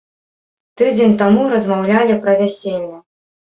Тыдзень таму размаўлялі пра вяселле!